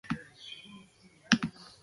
Benetan sinesten duzu hori dena egia dela?